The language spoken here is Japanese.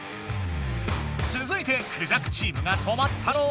つづいてクジャクチームが止まったのは。